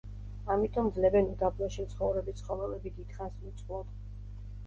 ამიტომ ძლებენ უდაბნოში მცხოვრები ცხოველები დიდხანს უწყლოდ.